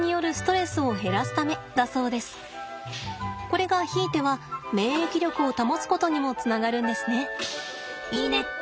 これがひいては免疫力を保つことにもつながるんですね。